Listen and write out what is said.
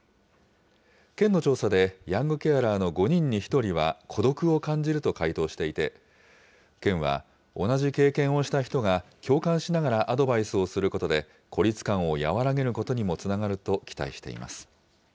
県の調査でヤングケアラーの５人に１人は孤独を感じると回答していて、県は同じ経験をした人が共感しながらアドバイスをすることで、孤立感を和らげることにもつながると期待しています。